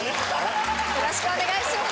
よろしくお願いします。